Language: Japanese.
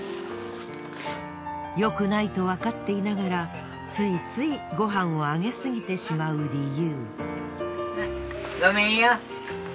よくないとわかっていながらついついご飯をあげすぎてしまう理由。